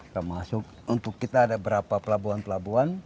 termasuk untuk kita ada berapa pelabuhan pelabuhan